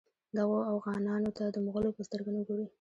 دغو اوغانانو ته د مغولو په سترګه نه ګوري.